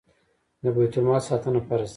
د بیت المال ساتنه فرض ده